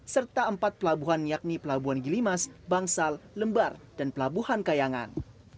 serta empat pelabuhan yakni pelabuhan gilimas bangsal lembar dan pelabuhan kayangan